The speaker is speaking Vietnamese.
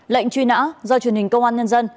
lệnh truy nã do truyền hình công an nhân dân